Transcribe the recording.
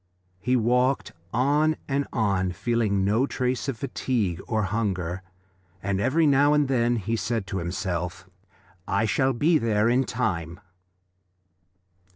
He walked on and on, feeling no trace of fatigue or hunger, and every now and then he said to himself: "I shall be there in time."